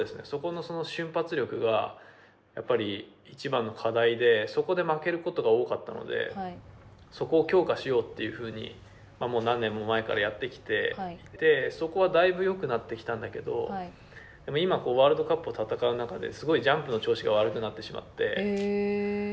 そこの瞬発力がやっぱりいちばんの課題でそこで負けることが多かったのでそこを強化しようというふうに何年も前からやってきてそこは大分よくなってきたんだけど今ワールドカップを戦う中ですごいジャンプの調子が悪くなってしまって。